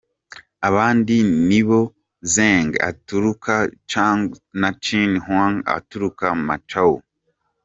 Abandi ni Bo Zheng aturuka Changsha na Chin Hung aturuka Macau.